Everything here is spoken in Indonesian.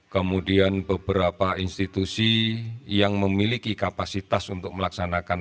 kemudian beberapa institusi yang memiliki kapasitas untuk melaksanakan